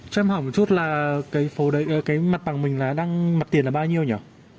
cho em hỏi một chút là cái mặt bằng mình đang mặt tiền là bao nhiêu nhỉ